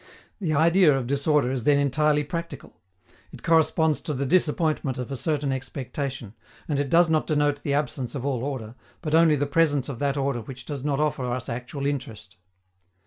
The idea of disorder is then entirely practical. It corresponds to the disappointment of a certain expectation, and it does not denote the absence of all order, but only the presence of that order which does not offer us actual interest.